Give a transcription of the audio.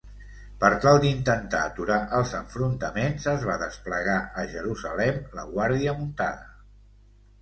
Per tal d'intentar aturar els enfrontaments, es va desplegar a Jerusalem la guàrdia muntada.